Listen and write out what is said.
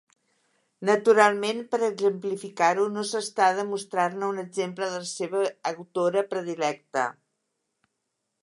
Naturalment, per exemplificar-ho no s'està de mostrar-ne un exemple de la seva autora predilecta.